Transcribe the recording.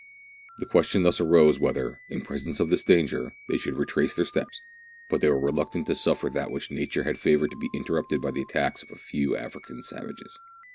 The question thus arose whether, in presence of this danger, they should retrace their steps ; but they were reluctant to suffer that which nature had favoured to be interrupted by the attacks of a few African savages.